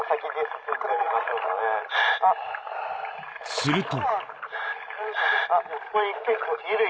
すると。